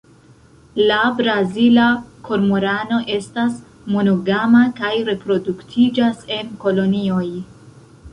La Brazila kormorano estas monogama kaj reproduktiĝas en kolonioj.